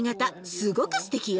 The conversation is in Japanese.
すごくすてきよ。